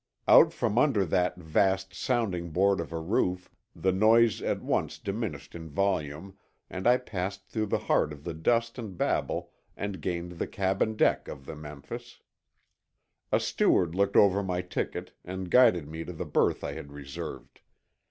Out from under that vast sounding board of a roof the noise at once diminished in volume, and I passed through the heart of the dust and babel and gained the cabin deck of the Memphis. A steward looked over my ticket and guided me to the berth I had reserved.